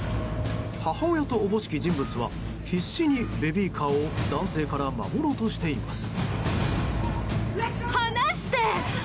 母親と思しき人物は必死にベビーカーを男性から守ろうとしています。